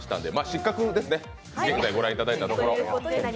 失格ですね、Ｖで御覧いただいたところ。